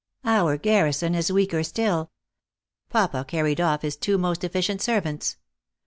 Our garrison is weaker still. Papa carried off his two most efficient servants.